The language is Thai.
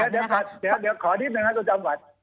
เดี๋ยวขอนิดหน่อยครับตัวจำก่อน